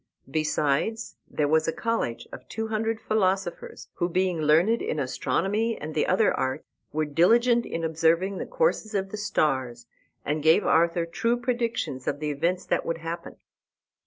Besides, there was a college of two hundred philosophers, who, being learned in astronomy and the other arts, were diligent in observing the courses of the stars, and gave Arthur true predictions of the events that would happen.